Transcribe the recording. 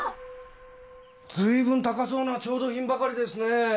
随分高そうな調度品ばかりですねえ。